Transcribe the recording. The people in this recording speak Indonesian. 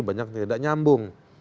banyak yang tidak nyambung